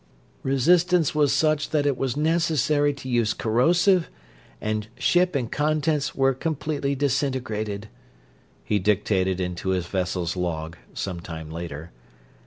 "... resistance was such that it was necessary to use corrosive, and ship and contents were completely disintegrated," he dictated into his vessel's log, some time later.